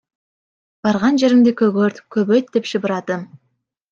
Барган жериңди көгөрт, көбөйт деп шыбырадым.